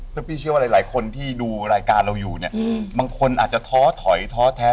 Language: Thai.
แล้วพี่เชื่อว่าหลายคนที่ดูรายการเราอยู่เนี่ยบางคนอาจจะท้อถอยท้อแท้